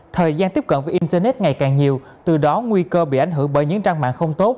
thời gian tiếp cận với internet ngày càng nhiều từ đó nguy cơ bị ảnh hưởng bởi những trang mạng không tốt